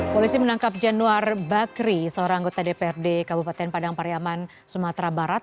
polisi menangkap januar bakri seorang anggota dprd kabupaten padang pariaman sumatera barat